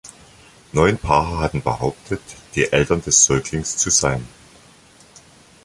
Neun Paare hatten behauptet, die Eltern des Säuglings zu sein.